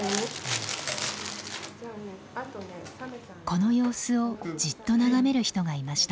この様子をじっと眺める人がいました。